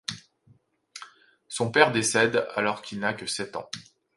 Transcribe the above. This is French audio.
Son père décède alors qu'il n'a que sept ans.